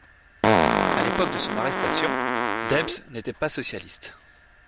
À l'époque de son arrestation, Debs n'était pas socialiste.